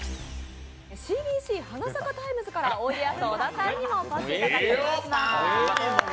ＣＢＣ「花咲かタイムズ」からおいでやす小田さんにもお越しいただきました。